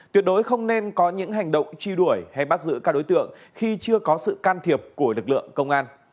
tuyệt đối không nên có những hành động truy đuổi hay bắt giữ các đối tượng khi chưa có sự can thiệp của lực lượng công an